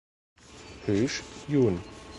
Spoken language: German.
Hoesch, jun.